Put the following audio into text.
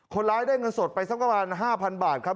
คนร้ายได้เงินสดไปสักประมาณ๕๐๐บาทครับ